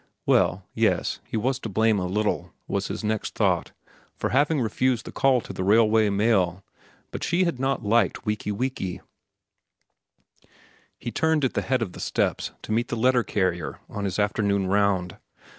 Well, yes, he was to blame a little, was his next thought, for having refused the call to the Railway Mail. And she had not liked "Wiki Wiki." He turned at the head of the steps to meet the letter carrier on his afternoon round.